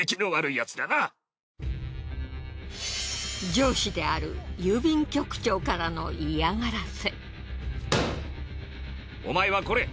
上司である郵便局長からの嫌がらせ。